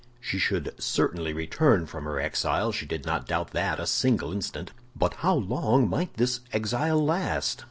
She should certainly return from her exile—she did not doubt that a single instant; but how long might this exile last?